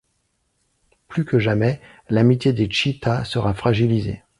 Plus que jamais, l'amitié des Cheetah sera fragilisée.